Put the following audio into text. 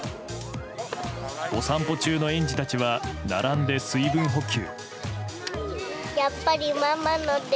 お散歩中の園児たちは並んで水分補給。